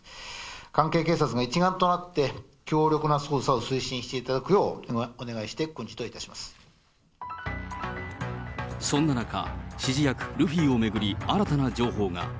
関係警察が一丸となって、強力な捜査を推進していただくようお願いして、そんな中、指示役、ルフィを巡り、新たな情報が。